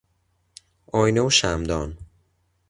آینه و شمعدان